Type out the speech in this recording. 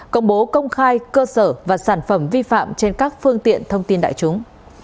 công bố công khai cơ sở và sản phẩm vi phạm trên các phương tiện thông tin đại chúng